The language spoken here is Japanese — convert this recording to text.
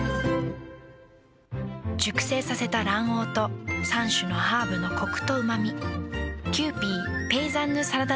熟成させた卵黄と３種のハーブのコクとうま味。